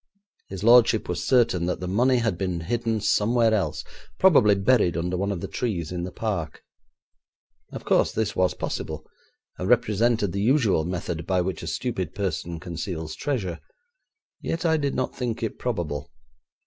His lordship was certain that the money had been hidden somewhere else; probably buried under one of the trees in the park. Of course this was possible, and represented the usual method by which a stupid person conceals treasure, yet I did not think it probable.